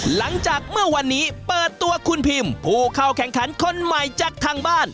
หลังจากเมื่อวันนี้เปิดตัวคุณพิมผู้เข้าแข่งขันคนใหม่จากทางบ้าน